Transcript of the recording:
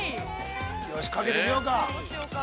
◆よし、かけてみようか。